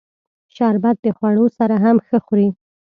شربت د خوړو سره هم ښه خوري